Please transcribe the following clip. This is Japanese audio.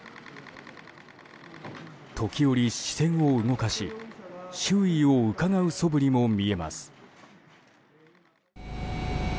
時折、視線を動かし、周囲をうかがうそぶりも見えます。